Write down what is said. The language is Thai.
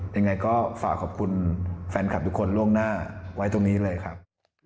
ยังไงก็ฝากขอบคุณแฟนคลับทุกคนล่วงหน้าไว้ตรงนี้เลยครับ